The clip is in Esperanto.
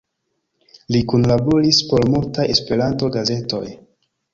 Li kunlaboris por multaj Esperanto-gazetoj.